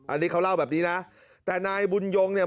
อันนี้เขาเล่าแบบนี้นะแต่นายบุญยงเนี่ย